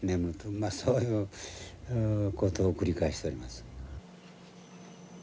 そういうことを繰り返しとります。